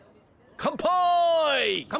乾杯！